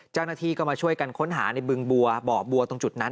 เจ้าหน้าที่ก็มาช่วยกันค้นหาในบึงบัวบ่อบัวตรงจุดนั้น